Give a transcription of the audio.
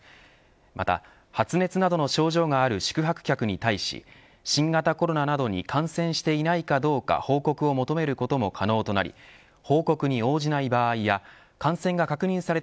また発熱などの症状がある宿泊客に対し新型コロナなどに感染していないかどうか報告を求めることも可能となりん。